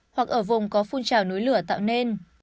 hoặc ở vùng có phun trào núi lửa tạo nên